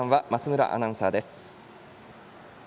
村アナウンサーです。